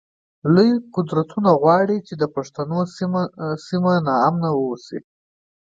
لوی قدرتونه غواړی چی د پښتنو سیمه ناامنه اوسی